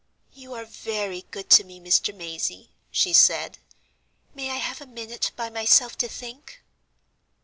"You are very good to me, Mr. Mazey," she said. "May I have a minute by myself to think?"